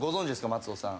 松尾さん。